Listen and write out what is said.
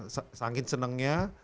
karena sangking senengnya